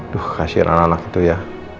duh kasihan anak anak itu ya